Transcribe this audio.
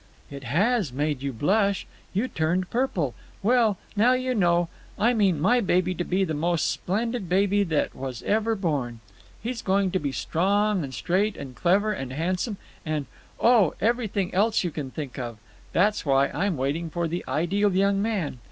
"It has made you blush! You turned purple. Well, now you know. I mean my baby to be the most splendid baby that was ever born. He's going to be strong and straight and clever and handsome, and—oh, everything else you can think of. That's why I'm waiting for the ideal young man.